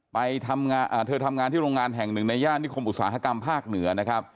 เธอทำงานที่โรงงานแห่งหนึ่งในย่านนิคมอุตสาหกรรมภาคเหนือนะครับ